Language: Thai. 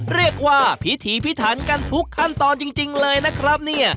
เรียกว่าพิถีพิถันกันทุกขั้นตอนจริงเลยนะครับเนี่ย